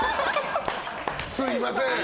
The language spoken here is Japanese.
すみません。